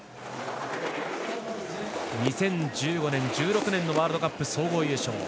２０１５年、１６年のワールドカップ総合優勝。